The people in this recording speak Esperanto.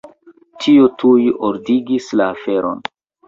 Tio tuj ordigis la aferon.